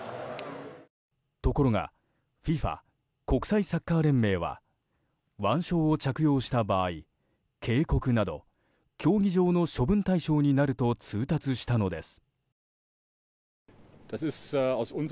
ところがＦＩＦＡ・国際サッカー連盟は腕章を着用した場合警告など、競技上の処分対象になると通達したのです。